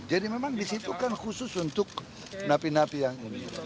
jadi memang disitu kan khusus untuk napi napi yang ini